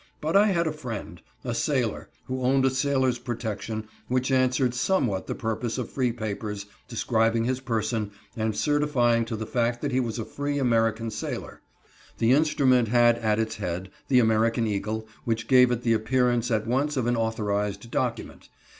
But I had a friend—a sailor—who owned a sailor's protection, which answered somewhat the purpose of free papers—describing his person, and certifying to the fact that he was a free American sailor. The instrument had at its head the American eagle, which gave it the appearance at once of an authorized document.